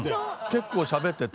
結構しゃべってて。